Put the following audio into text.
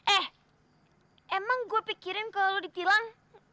eh emang gua pikirin kalau lu ditilang